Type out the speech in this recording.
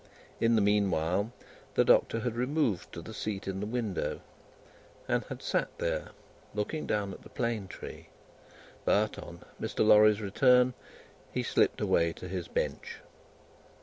In the meanwhile, the Doctor had removed to the seat in the window, and had sat there looking down at the plane tree; but, on Mr. Lorry's return, he slipped away to his bench.